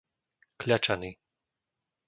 Kľačany